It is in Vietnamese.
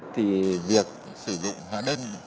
thì việc sử dụng hóa đơn